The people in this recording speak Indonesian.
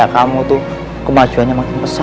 kamu tuh kemajuannya makin besar